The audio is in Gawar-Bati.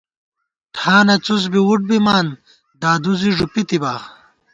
ٹھانہ څُس بی وُٹ بِمان دادُوزی ݫُپِتِبا